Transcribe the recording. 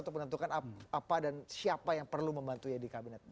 untuk menentukan apa dan siapa yang perlu membantunya di kabinet